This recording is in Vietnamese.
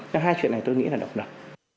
cái hai chuyện này tôi nghĩ là độc lập